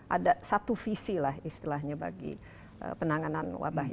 ada satu visi lah istilahnya bagi penanganan wabah ini